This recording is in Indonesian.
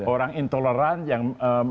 orang intoleran yang